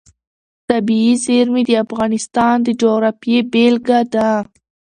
طبیعي زیرمې د افغانستان د جغرافیې بېلګه ده.